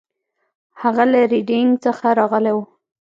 هغه له ریډینګ څخه راغلی و.